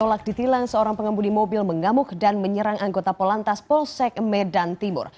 tolak di tilang seorang pengembudi mobil mengamuk dan menyerang anggota polantas polsek medan timur